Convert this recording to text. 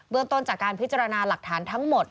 ต้นจากการพิจารณาหลักฐานทั้งหมด